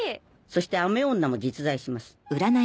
そして雨女も実在します。